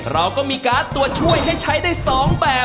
เราก็มีการ์ดตัวช่วยให้ใช้ได้๒แบบ